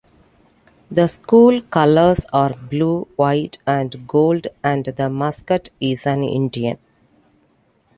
The school colors are blue, white, and gold and the mascot is an Indian.